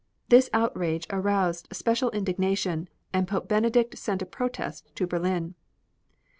This outrage aroused special indignation, and Pope Benedict sent a protest to Berlin.